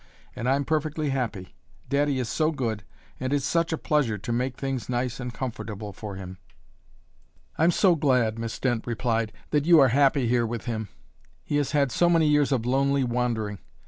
And I'm perfectly happy. Daddy is so good, and it's such a pleasure to make things nice and comfortable for him!" "I'm so glad," Miss Dent replied, "that you are happy here with him. He has had so many years of lonely wandering.